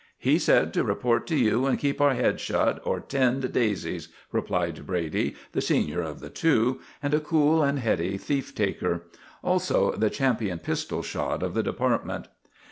"He said to report to you and keep our heads shut or tend daisies," replied Brady, the senior of the pair, and a cool and heady thief taker; also the champion pistol shot of the department.